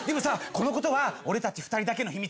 このことは俺たち２人だけの秘密。